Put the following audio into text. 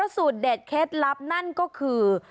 สูตรเด็ดเคล็ดลับนั่นก็คือ